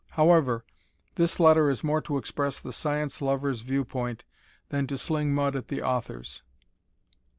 However, this letter is more to express the science lovers' viewpoint than to sling mud at the authors.